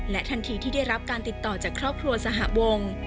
ทันทีที่ได้รับการติดต่อจากครอบครัวสหวง